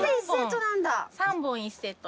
３本１セット。